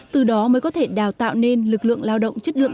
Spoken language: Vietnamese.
từ đó mới có thể đào tạo nên lực lượng lao động chất lượng